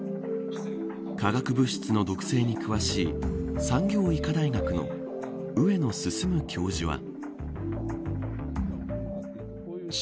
化学物質の毒性に詳しい産業医科大学の上野晋教授は。